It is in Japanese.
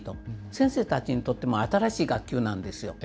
先生たちにとっても新しい学級なんですよ。